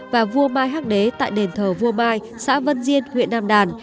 và vua mai hắc đế tại đền thờ vua bai xã vân diên huyện nam đàn